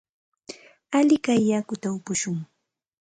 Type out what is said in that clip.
Alikay yakuta upushun.